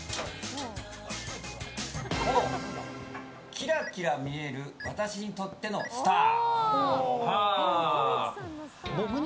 キラキラ見える私にとってのスター。